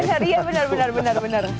oh iya benar benar